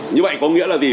như vậy có nghĩa là gì